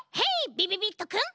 びびびっとくん！